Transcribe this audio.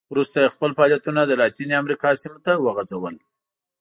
وروسته یې خپل فعالیتونه د لاتینې امریکا سیمو ته وغځول.